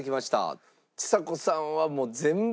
ちさ子さんはもう全部？